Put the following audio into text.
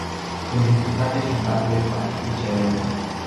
Sunt discutate și datele statistice elene.